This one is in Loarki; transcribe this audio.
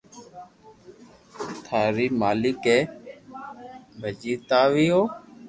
ٿاري مالڪ اي پڄيٽاوي ھو